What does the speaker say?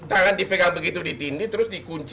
tangan dipegang begitu ditindih terus dikunci